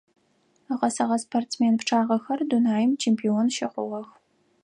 Ыгъэсэгъэ спортсмен пчъагъэхэр дунаим чемпион щыхъугъэх.